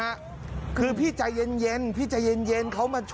แล้วอ้างด้วยว่าผมเนี่ยทำงานอยู่โรงพยาบาลดังนะฮะกู้ชีพที่เขากำลังมาประถมพยาบาลดังนะฮะ